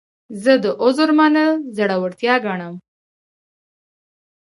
زه د عذر منل زړورتیا ګڼم.